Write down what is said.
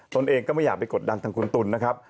ตนเองก็ไม่อยากไปกดดันทางคุณตุ๋นนะครับ